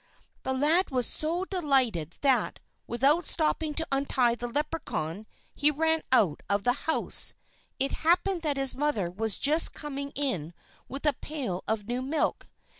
The lad was so delighted that, without stopping to untie the Leprechaun, he ran out of the house. It happened that his mother was just coming in with a pail of new milk.